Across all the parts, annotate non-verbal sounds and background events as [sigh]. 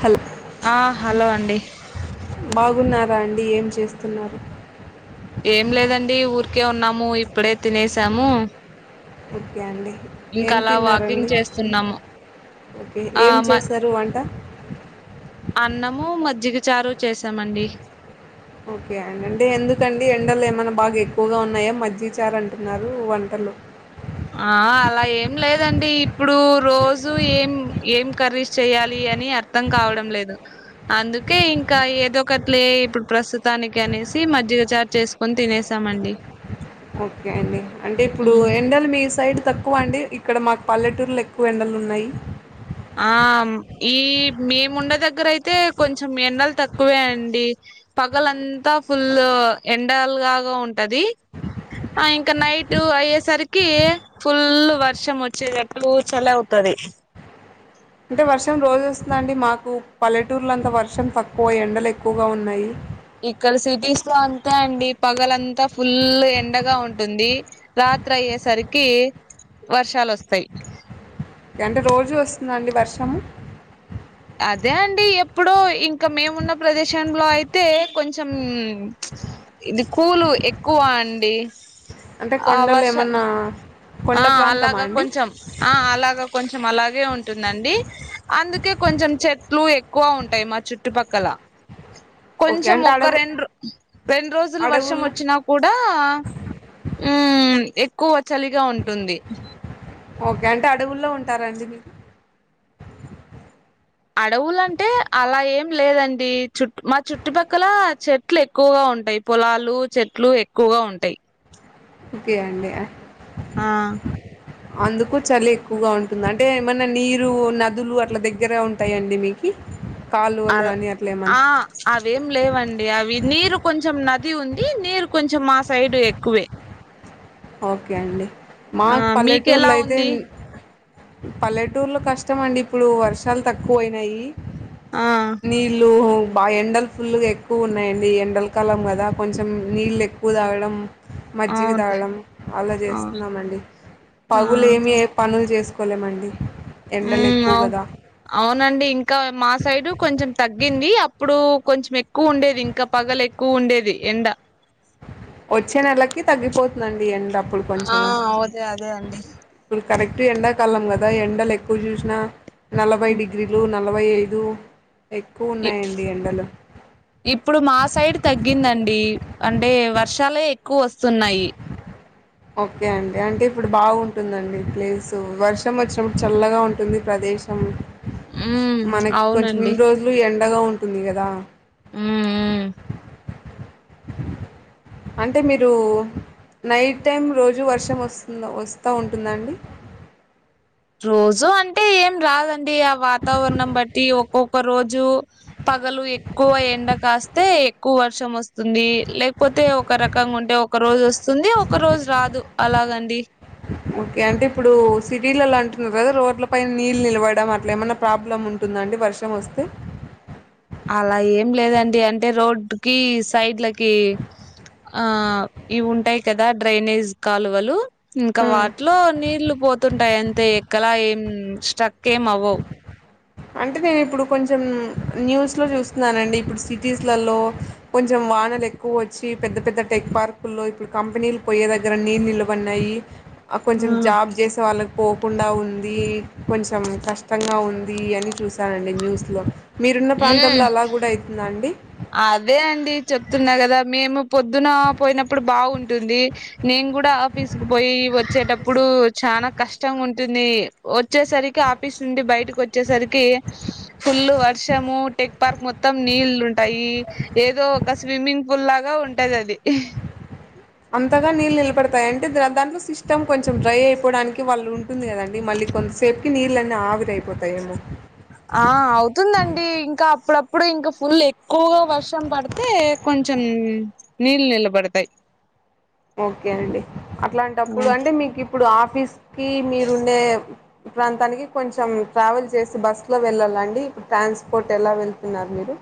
Hello ఆ hello అండి బాగున్నారా అండి ఏం చేస్తున్నారు ఏం లేదండి ఊరికే ఉన్నాము ఇప్పుడే తినేసాము ఓకే అండి ఇంకా ఏం అలా వాకింగ్ తిన్నారండి చేస్తున్నాము ఓకే ఆ ఏం మ చేస్తారు వంటా అన్నము మజ్జిగచారు చేసామండి ఓకే అండి అంటే ఎందుకండి ఎండలు ఏమైన్నా బాగా ఎక్కువగా ఉన్నాయా మజ్జిచారు అంటున్నారు వంటలు. ఆ అలా ఏం లేదండి ఇప్పుడు రోజు ఏం ఏం కర్రీస్ చెయ్యాలి అని అర్ అర్ధం కావడం లేదు అందుకే ఇంకా ఏదో ఒకటిలే ఇప్పుడు ప్రస్తుతానికి అనేసి మజ్జిగ చార్ చేసు కొం తినేసామండి ఓకే అండి అంటే ఇప్పుడు ఉమ్ ఎ ఎండలు మీ సైడ్ తక్కువ అండి ఇక్కడ మాకు పల్లెటూర్లో ఎక్కువ ఎండలు ఉన్నయి ఆ ఈ మేముండ దగ్గర అయితే కొంచెం ఎండలు తక్కువే అండి పగలంతా ఫుల్ ఎండల్ లాగా ఉంటది ఆ ఇంకా నైట్ ఇటు అయ్యేసరికి ఫుల్ వర్షం వచ్చేది అట్లు చలి అవుతది అంటే వర్షం రోజు వస్తుంద అండి మాకు పల్లెటూర్లో అంతా వర్షం తక్కువ ఎండలు ఎక్కువగా ఉన్నాయి ఇక్కడ సిటీస్ లో అంతా అండి పగలంతా ఫుల్ ఎండగా ఉంటుంది రాత్రి అయ్యేసరికి వర్షాలు వస్తాయి అంటే రోజూ వస్తుందండి వర్షము అదే అండి ఎప్పుడు ఇంకా మేమున్న ప్రదేశంలో అయితే కొంచం చ్ ఇది కూలు ఎక్కువ అండి అంటే ఆ కొండలు వర్ష ఏమన్నా ఆ కొండ ప్రాంతమా అలాగా అండి కొంచెం ఆ అలాగా కొంచెం అలాగే ఉంటుందండి అందుకే కొంచెం చెట్లు ఎక్కువ ఉంటయి మా చుట్టుపక్కల [inaudible] కొంచెం అంటే ఒక అడవు రెండు రెండు రోజులు వర్షం అడవుల్లో వచ్చినా గూడా ఉమ్ ఎక్కువ చలిగా ఉంటుంది ఓకే అంటే అడవుల్లో ఉంటారండి మీకు అడవులంటే అలా ఏం లేదండి చుట్ మా చుట్టుపక్కల చెట్ చెట్లు ఎక్కువగా ఉంటాయి పొలాలు చెట్లు ఎక్కువగా ఉంటాయి కే అండి అ ఆ అందుకు చలి ఎక్కువగా ఉంటుంది అంటే ఏమన్నా నీరు నదులు అట్లా దగ్గరే ఉంటాయండి మీకు అలా ఆ అవేం లేవండి అవి నీరు కొంచెం నది ఉంది నీరు కొంచెం మా సైడ్ ఎక్కువే ఓకే అండి ఆ మాక్ పల్లెటూర్లో మీకెలా అయితే ఉంది పల్లెటూర్లో కష్టం అండి ఇప్పుడు వర్షాలు తక్కువ అయినాయి ఆ నీళ్లు హ బాగా ఎండలు ఫుల్గా ఎక్కువ ఉన్నాయండి ఎండలకాలం గదా కొంచెం నీళ్లు ఎక్కువ తాగడం మజ్జిగ అవును తాగడము అలా ఆ చేస్తున్నామండి ఆ పగులు ఏమి ఏ పనులు చేసుకోలేమండి ఎండలు ఉమ్ ఎక్కువ అవు గదా అవునండి ఇంకా మా సైడ్ కొంచెం తగ్గింది అప్పుడు కొంచెం ఎక్కువ ఉండేది ఇంగా పగలు ఎక్కువ ఉండేది ఎండ వచ్చే నెలకి తగ్గిపోతుండి ఎండ అప్పుడు ఆ కొంచెము అదే అదే అండి ఇప్పుడు కరెక్ట్ ఎండకాలం గదా ఎండలు ఎక్కువ చూసినా నలభై డిగ్రీ లు నలభై ఐదు ఎక్కువ ఇ- ఉన్నాయండి ఎండలు ఇప్పుడు మా సైడ్ తగ్గిందండి అంటే వర్షాలే ఎక్కువ వస్తున్నాయి ఓకే అండి అంటే ఇప్పుడు బాగుంటుందండి ప్లేసు వర్షం వచ్చినప్పుడు చల్లగా ఉంటుంది ప్రదేశం కొంచం ఉమ్ మనకి కొంచెం అవునండి ఇన్ని రోజులు ఎండగా ఉంటుంది గదా మ్ ఉ అంటే మీరు నైట్ టైం రోజు వర్షం వస్తుంద వస్తా ఉంటుందండి రోజు అంటే ఏం రాదండి ఆ వాతావరణం బట్టి ఒక్కొక్క రోజు పగలు ఎక్కువ ఎండ కాస్తే ఎక్కువ వర్షం వస్తుంది. లేకపోతే ఒక రకం గా ఉంటే ఒక రోజు వస్తుంది. ఒక రోజు రాదు అలాగండి ఓకే అంటే ఇప్పుడు సిటీలలా అంటున్నారు. కదా రోడ్ల పైన నీళ్ళు నిలవడం అట్లా ఏమైన్నా ప్రాబ్లమ్ ఉంట టుందండి వర్షం వస్తే అలా ఏం లేదండి అంటే రోడ్డుకి సైడ్లకి ఆ ఇవి ఉంటాయి. కదా డ్రైనేజ్ కాలువలు ఇంకా వాటిలో నీళ్లు పోతుంటాయి. అంతే ఎక్కలా ఏం స్టక్ ఏం అవ్వవు అంటే నేను ఇప్పుడు కొంచెం న్యూస్లో చూస్తున్నానండి. ఇప్పుడు సిటీస్లలో కొంచెం వానలు ఎక్కువ వచ్చి పెద్ద పెద్ద టెక్ పార్కుల్లో ఇప్పుడు కంపెనీలు పోయే దగ్గర నీళ్ళు నిల్వ ఉన్నయి కొంచెం ఆ జాబ్ చేసే వాళ్ళకి పోకుండా ఉంది. కొంచెం కష్టంగా ఉంది. ఇ అన్నీ చూసానండి న్యూస్ లో మీరున్న ప్రాంతంలో ఉమ్ అలా కూడా అయితుంద అండి అదే అండి చెప్తున్నా కదా మేము పొద్దున పోయినప్పుడు బాగుంటుంది. నేను కూడా ఆఫీస్ కు పోయి వచ్చేటప్పుడు చనా కష్టంగా ఉంటుంది. వచ్చేసరికి ఆ స్తుంది బయటకు వచ్చేసరికి ఫుల్ వర్షము టెక్ పార్క్ మొత్తం నీళ్లుం టాయ్ ఏదో ఒక స్విమ్మింగ్ పూల్ లాగా ఉంటది. అది అంతగా నీళ్ళు నిలబడతాయి. అంటే దాంట్లో సిస్టమ్ కొంచెం డ్రై అయిపోవడానికి వాళ్ళు ఉంటుంది కదండి. మళ్ళీ కొంతసేపుకి నీళ్ళు అన్నీ ఆవిరియిపోతాయేమో ఆ అవుతుందండి. ఇంకా అప్పుడప్పుడు ఇంకా ఫుల్ ఎక్కువగా వర్షం పడుతుంది. అయితే కొంచెం నీళ్ళు నిలబడతాయి ఓకే అండి అట్లాంటప్పుడు అంటే మీకు ఇప్పుడు ఆఫీస్కి మీరుండే ప్రాంతానికి కొంచెం ట్రావెల్ చేసి బస్సులో వెళ్ళాలండి. ఇప్పుడు ట్రాన్స్పోర్ట్ ఎలా వెళ్తున్నారు. మీరు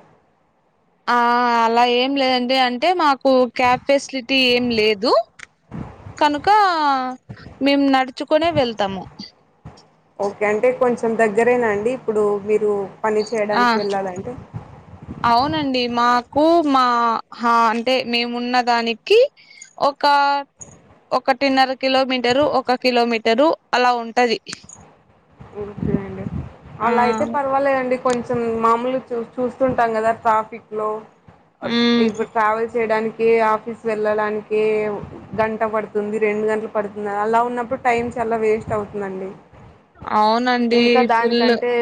ఆ అలా ఏం లేదండి అంటే మాకు క్యాబ్ ఫెసిలిటీ ఏం లేదు కనుక మేము నడుచుకునే వెళ్తాము ఓకే అంటే కొంచెం దగ్గరేనా అండి ఇప్పుడు మీరు పని ఆ చేయడానికి వెళ్ళాలంటే అవునండి మాకు మా అంటే మేమున్నదానికి ఒక ఒకటిన్నర కిలోమీటరు ఒక కిలోమీటరు అలా ఉంటది ఒకే అండి ఆ అలా అయితే పర్వాలేదండి. కొంచెం మామూలు చూ చూస్తుంటాం కదా ట్రాఫిక్ లో ఉమ్ ఇప్పుడు ట్రావెల్ చేయడానికి ఆఫీస్ వెళ్ళడానికి గంట పడుతుంది. రెండు గంటలు పడుతుంది. అలా ఉన్నప్పుడు టైం చాలా వేస్ట్ అవుతుందండి. అవును ఇంకా దానికంటే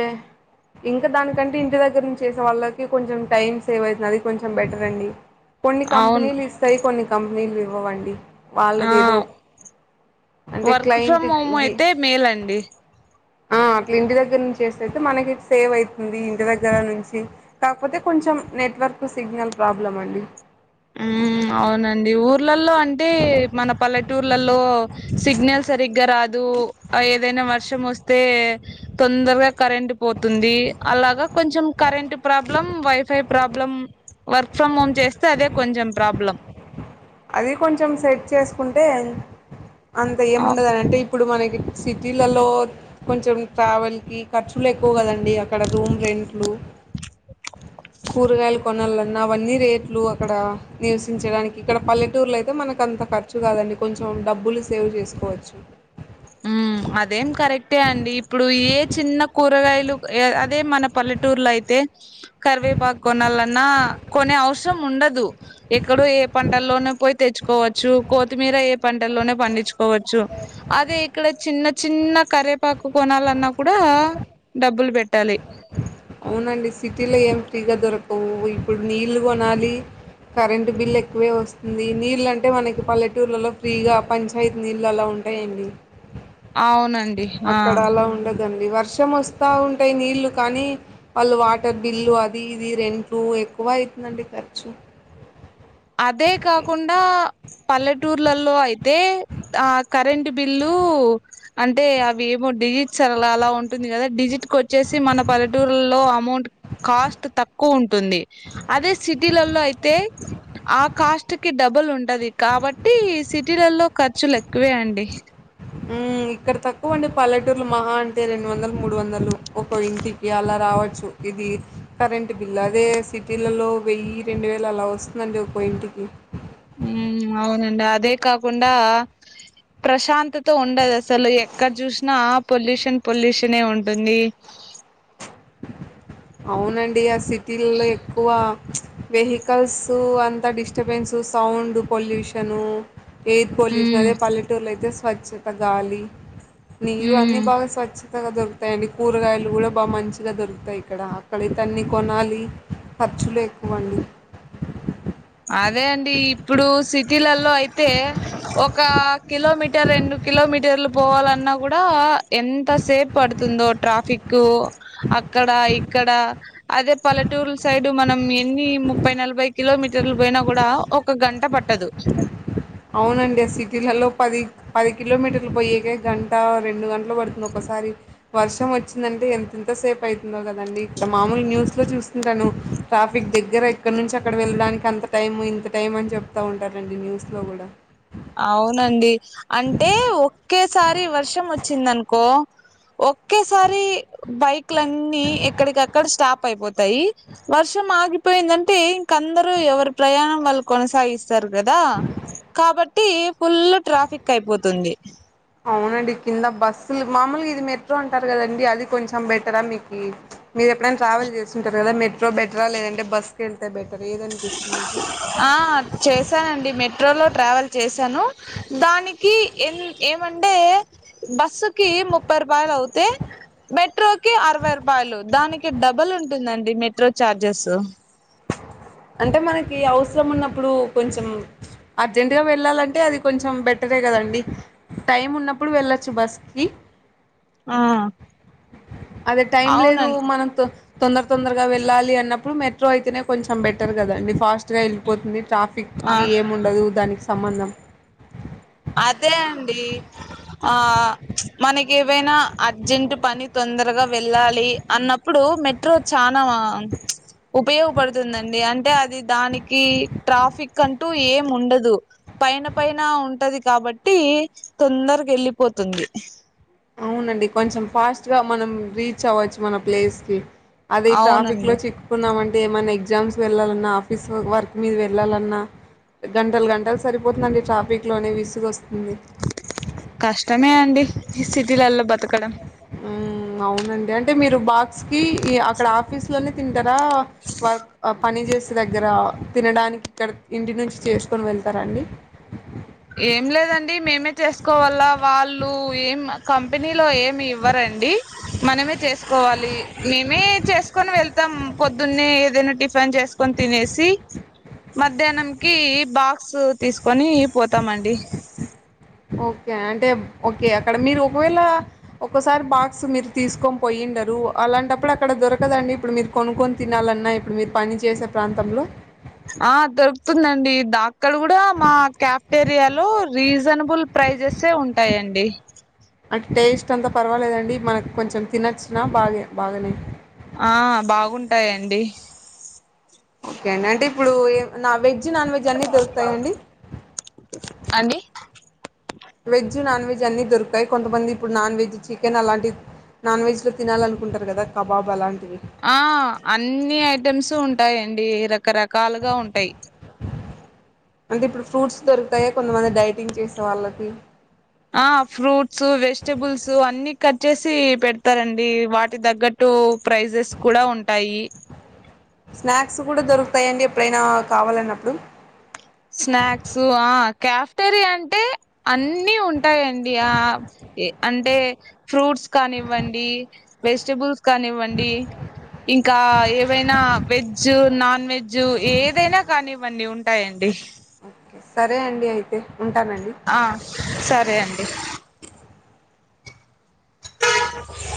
ఇంకా దానికంటే ఇంటి దగ్గర నుంచి చేసే వాళ్ళకి కొంచెం టైం సేవ్ అవుతుంది. అది కొంచెం బెటర్ అండి కొన్ని అవును కంపెనీలు ఇస్తాయి. కొన్ని కంపెనీలు ఇవ్వవండి. ఆ వాళ్ళది ఏదో అంటే వర్క్ క్లయింట్ ఫ్రమ్ హోమ్ బి అయితే మేలండి ఆ అట్లా ఇంటి దగ్గర నుంచి వస్తయితే మనకి సేవ్ అవుతుంది. ఇంటి దగ్గర నుంచి కాకపోతే కొంచెం నెట్వర్క్ సిగ్నల్ ప్రాబ్లం అండి. ఉ అవునండి. ఊర్లలో అం అంటే మన పల్లెటూర్లలో సిగ్నల్ సరిగ్గా రా కు ఏదైనా వర్షం వస్తే తొందరగా కరెంట్ పోతుంది అలాగా కొంచెం current problem wifi problem work from home చేస్తే అదే కొంచెం ప్రాబ్లం అది కొంచెం సెట్ చేసుకుంటే అంత ఏముండదు అనంటే ఇప్పుడు మనకి సిటీలలో కొంచెం ట్రావెల్‌కి ఖర్చులు ఎక్కువ కదండి అక్కడ రూమ్ రెంట్లు కూరగాయలు కొనాలన్నా అవన్నీ రేట్లు అక్కడ నివసించడానికి ఇక్కడ పల్లెటూర్లో అయితే మనకు అంత ఖర్చు కాదండి కొంచెం డబ్బులు సేవ్ చేసుకోవచ్చు ఉమ్ అదేం కరెక్టే అండి ఇప్పుడు ఏ చిన్న కూరగాయలు అదే మన పల్లెటూరులో అయితే కరివేపాకు కొనాలన్నా కొనే అవసరం ఉండదు ఎక్కడో ఏ పంటల్లోనే పోయి తెచ్చుకోవచ్చు కోత్తిమీర ఏ పంటల్లోనే పండించుకోవచ్చు అదే ఇక్కడ చిన్న చిన్న కరేపాకు కొనాలన్నా కూడా డబ్బులు పెట్టాలి అవునండి సిటీలో ఏమి ఫ్రీగా దొరకవు ఇప్పుడు నీళ్లు కొనాలి కరెంట్ బిల్ ఎక్కువే వస్తుంది నీళ్ళు అంటే మనకి పల్లెటూర్లలో ఫ్రీగా పంచాయతీ నీళ్ళు అలా ఉం టయండి అవున అక్కడ అలా ఉండదండి వర్షం వస్తా ఉంటాయి నీళ్ళు కానీ వాళ్ళు వాటర్ బిల్లు అది ఇది రెంట్లు ఎక్కువ అయితుందండి ఖర్చు అదే కాకుండా పల్లెటూర్లలో అయితే ఆ కరెంట్ బిల్లూ అంటే అవి ఏమో డిజిట్ సరలా అలా ఉంటుంది కదా డిజిట్‌కి వచ్చేసి మన పల్లెటూరులో అమౌంట్ కాస్ట్ తక్కువ ఉంటుంది అదే సిటీలలో అయితే ఆ కాస్ట్‌కి డబ్బుల్ ఉంటది కాబట్టి సిటీలలో ఖర్చులు ఎక్కువే అండి ఉమ్మ్ ఇక్కడ తక్కువండి పల్లెటూర్లు మహా అంటే రెండు వందలు మూడు వందలు ఒక్కో ఇంటికి అలా రావచ్చు ఇది కరెంట్ బిల్ అదే సిటీలలో వెయ్యి రెండు వేలు అలా వస్తుందండి ఒక్కో ఇంటికి ఉమ్మ్ అవునండి అదే కాకుండా ప్రశాంతతా ఉండదు అసలు ఎక్కడ చూసినా ఆ పొల్యూషన్ పొల్యూషనే ఉంటుంది అవునండి ఆ సిటీలల్లో ఎక్కువ వెహికల్సు అంత disturbance sound pollution air pollution ఉమ్ అదే పల్లెటూరులో అయితే స్వచ్ఛత గాలి నీరు అన్ని ఉమ్ బాగా స్వచ్ఛతగా దొరుకుతాయండి కూరగాయలు కూడా బాగా మంచి గా దొరుకుతాయి ఇక్కడ అక్కడైతే అన్ని కొనాలి ఖర్చులు ఎక్కువ అండి అదే అండి ఇప్పుడు సిటీలలో అయితే ఒక కిలోమీటర్ రెండు కిలోమీటర్లు పోవాలన్నా కూడా ఎంత సేపూ పడుతుందో ట్రాఫిక్ అక్కడ ఇక్కడ అదే పల్లెటూర్లు సైడ్ మనం ఎన్ని ముప్పై నలభై కిలోమీ టర్లు పోయినా కూడా ఒక గంట పట్టదు అవునండి ఆ సిటీలలో పది పది కిలోమీటర్లు పోయేకే గంట రెండు గంటలు పడుతుంది ఒక్కసారి వర్షం వచ్చిందంటే ఎంతెంత సేపు అయితుందో కదండి ఇక్కడ మామూలు న్యూస్‌లో చూస్తుంటాను ట్రాఫిక్ దగ్గర ఇక్కడ నుంచి అక్కడ వెళ్ళడానికి అంత టైం ఇంత టైం అని చెప్తా ఉంటారంండి న్యూస్‌లో కూడా అవునండి అంటే ఒకేసారి వర్షం వచ్చిందినుకో ఒక్కేసారి బైక్లన్ని ఎక్కడికి అక్కడ స్టాప్ అయిపోతాయి వర్షం ఆగిపోయిందంటే ఇంక అందరుూ ఎవరి ప్రయాణం వాళ్ళు కొనసాగి స్తారు కదా కాబట్టి ఫుల్ ట్రాఫిక్ అయిపోతుంది అవునండి కింద బస్సులు మామూలుగా ఇది మెట్రో అంటారు కదండి అది కొంచెం బెటరా మీకు మీరు ఎప్పుడైనా ట్రావెల్ చేస్తుంటారు కదా మెట్రో బెటరా లేదంటే బస్ కి వెళ్తే బెటర్ ఏది అనిపిస్తుంది మీకు ఆ చేశానండి మెట్రోలో ట్రావెల్ చేశాను దానికి ఏం ఏమంటే బస్సుకి ముప్పై రూపాయలు అవుతే మెట్రోకి అరవై రూపాయలు దానికి డబుల్ ఉంటుందండి మెట్రో చార్జెస్ అంటే మనకి అవసరం ఉన్నప్పుడు కొంచెం అర్జెంట్ గా వెళ్ళాలంటే అది కొంచెం బెటరే కదండి టైం ఉన్నప్పుడు వెళ్ళొచ్చు బస్ కి ఆ అదే టైం లేదు అవునం మనం తొందర తొందరగా వెళ్ళాలి అన్నప్పుడు మెట్రో అయితేనే కొంచెం బెటర్ కదండి ఫాస్ట్ వెళ్ళిపోతుంది ట్రాఫిక్ ఆ కి ఏమి ఉండదు దానికి సంబంధం అదే అండి ఆ మనకి ఏవైనా అర్జెంట్ పని తొందరగా వెళ్ళాలి అన్న ప్పుడు మెట్రో చానా మా ఉపయోగపడుతుందండి అంటే అది దానికి ట్రాఫిక్ అంటూ ఏం ఉండదు పైన పైన ఉంటది కాబట్టి తొందరగా వెళ్ళిపోతుంది అవునండి కొంచెం ఫాస్ట్ గా మనం రీచ్ అవ్వచ్చు మన ప్లేస్ కి అది ట్రాఫిక్ లో అవునండి చిక్ కున్నామంటే ఏమైన్నా ఎగ్జామ్స్ వెళ్ళాలన్నా ఆఫీస్ వర్క్ మీద వెళ్ళాలన్నా గంటలు గంటలు సరిపోతుందండి ట్రాఫిక్ లోనే విసుగు వస్తుంది కష్టమే అండి ఈ సిటీలల్లో బతకడం అవునండి అంటే మీరు బాక్స్ కి అక్కడ ఆఫీస్ లోనే తింటారా వర్క్ పని చేసి దగ్గర తినడానికి ఇక్కడ ఇంటి నుంచి చేసుకొని వెళ్తారండి ఏం లేదండి మేమే చేసుకోవాల వాళ్ళు ఏం కంపెనీలో ఏమి ఇవ్వరండి మనమే చేసుకోవాలి మేమే చేసుకొని వెళ్తాం పొద్దున్నే ఏదైనా టిఫిన్ చేసుకు కోని తినేసి మధ్యాహ్నం కి బాక్స్ తీసుకొని పోతామండి ఓకే అంటే ఓకే అక్కడ మీరు ఒకవేళ ఒక్కసారి బాక్స్ మీరు తీసుకొని పోయిండరు అలాంటప్పుడు అక్కడ దొరకదండి ఇప్పుడు మీరు కొనుక్కొని తినాలన్నా ఇప్పుడు మీరు పని చేసే ప్రాంతంలో ఆ దొరుకుతుందండి ఆ అక్కడ కూడా మా క్యాఫ్టేరియాలో రీజనబుల్ ప్రైజెసే ఉంటాయండి అంటే టేస్ట్ అంతా పర్వాలేదండి మనకు కొంచెం తినొచ్చనా బాగే బాగానే ఆ బాగుంటాయండి ఓకే అండి అంటే ఇప్పుడు ఏ నా వెజ్ నాన్ వెజ్ అన్నీ దొరుకుతాయా అండీ అండి వెజ్ నాన్ వెజ్ అన్ని దొరికాయి కొంతమంది ఇప్పుడు నాన్ వెజ్ చికెన్ అలాంటి నాన్ వెజ్ లు తినాలనుకుంటారు కదా కబాబ్ అలాంటివి ఆ అన్ని ఐటెమ్స్ ఉంటాయండి రకరకాలుగా ఉంటాయి అంటే ఇప్పుడు ఫ్రూట్స్ దొరుకుతాయా కొంతమంది డైటింగ్ చేసే వాళ్ళకి ఆ ఫ్రూట్స్ వెజిటబుల్స్ అన్ని కట్ చేసి పెడతారండి వాటి తగ్గట్టు టూ ప్రైజెస్ కూడా ఉంటాయి స్నాక్స్ కూడా దొరుకుతాయిండి ఎప్పుడైనా కావాలన్నప్పుడు స్నాక్స్ ఆ కెప్టెరియా అంటే అన్ని ఉంటాయండి ఆ ఏ అంటే ఫ్రూట్స్ కానివ్వండి వెజ్టబుల్స్ కానివ్వండి ఇంకా ఏవైనా వెజ్జ్ నాన్ వెజ్జ్ ఏదైనా కానివండి ఉంటాయండి ఓకే సరే అండి అయితే ఉంటానండి అ సరే అండి [unintelligible]